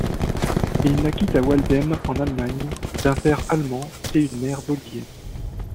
Il naquit à Waldheim en Allemagne, d'un père allemand et une mère bolivienne.